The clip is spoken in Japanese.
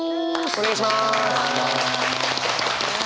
お願いします。